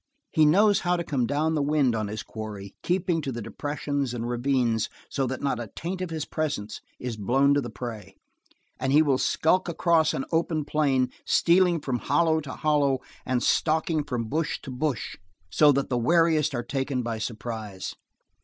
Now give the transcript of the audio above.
He knows how to come down the wind on his quarry keeping to the depressions and ravines so that not a taint of his presence is blown to the prey; and he will skulk across an open plain, stealing from hollow to hollow and stalking from bush to bush, so that the wariest are taken by surprise.